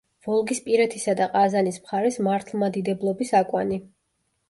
ვოლგისპირეთისა და ყაზანის მხარის მართლმადიდებლობის აკვანი.